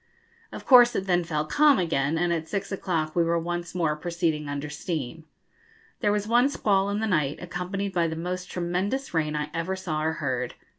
Of course it then fell calm again, and at six o'clock we were once more proceeding under steam. There was one squall in the night, accompanied by the most tremendous rain I ever saw or heard.